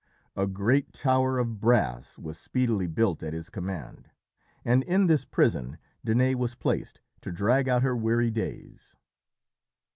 A great tower of brass was speedily built at his command, and in this prison Danaë was placed, to drag out her weary days.